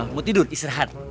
mau tidur istirahat